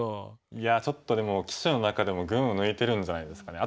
いやちょっとでも棋士の中でも群を抜いてるんじゃないですかね。